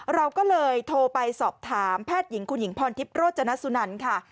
เราก็เลยโทรไปสอบถามแพทย์หญิงคุณหญิงพรทิพย์โรจนสุนันค่ะ